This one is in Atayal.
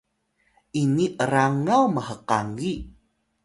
ini ’rangaw mhkangi